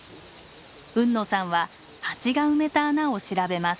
海野さんはハチが埋めた穴を調べます。